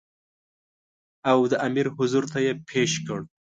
او د امیر حضور ته یې پېش کړ.